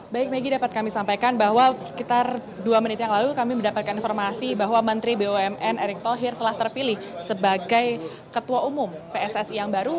baik megi dapat kami sampaikan bahwa sekitar dua menit yang lalu kami mendapatkan informasi bahwa menteri bumn erick thohir telah terpilih sebagai ketua umum pssi yang baru